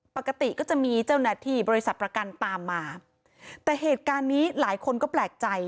ปกติก็จะมีเจ้าหน้าที่บริษัทประกันตามมาแต่เหตุการณ์นี้หลายคนก็แปลกใจ